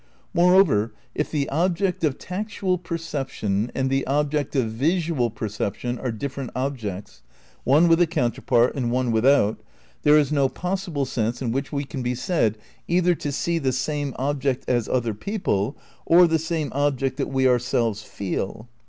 Moreover, if the object of tactual perception and the ob ject of visual perception are different objects, one with a counterpart and one without, there is no possible sense in which we can be said either to see the same ob ject as other people or the same object that we ourselves feel.